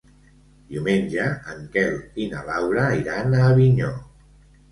Diumenge en Quel i na Laura iran a Avinyó.